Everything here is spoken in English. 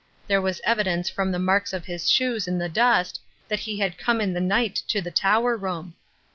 There was evidence from the marks of his shoes in the dust that he had come in the night to the tower room.